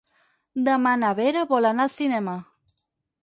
Demà na Vera vol anar al cinema.